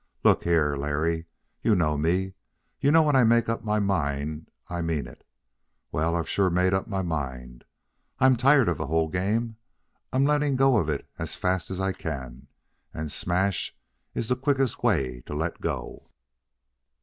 Look here, Larry, you know me. You know when I make up my mind I mean it. Well, I've sure made up my mind. I'm tired of the whole game. I'm letting go of it as fast as I can, and a smash is the quickest way to let go."